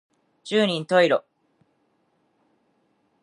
十人十色